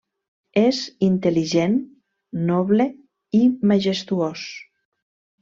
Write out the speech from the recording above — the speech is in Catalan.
És intel·ligent, noble i majestuós.